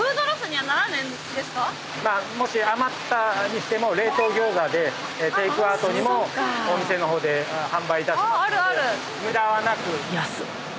まあもし余ったにしても冷凍餃子でテークアウトにもお店の方で販売いたしますので無駄はなく。